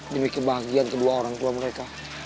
demi kebahagiaan kedua orang tua mereka